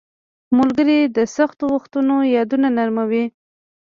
• ملګري د سختو وختونو یادونه نرموي.